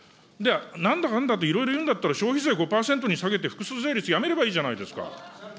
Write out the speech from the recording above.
なんだかんだといろいろいうんだったら、消費税５％に下げて複数税率やめればいいじゃないですか。